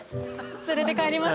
連れて帰ります？